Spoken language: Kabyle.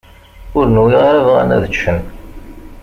Ur nwiɣ ara bɣan ad ččen.